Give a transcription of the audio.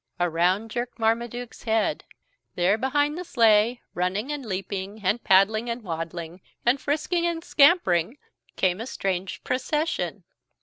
Around jerked Marmaduke's head. There, behind the sleigh, running and leaping and paddling and waddling and frisking and scampering came a strange procession.